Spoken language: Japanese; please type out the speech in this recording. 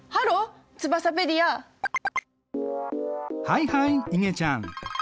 はいはいいげちゃん。